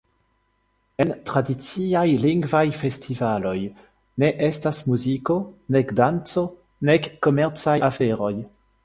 En tradiciaj Lingvaj Festivaloj ne estas muziko, nek danco, nek komercaj aferoj.